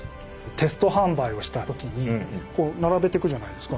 テスト販売をした時にこう並べてくじゃないですか。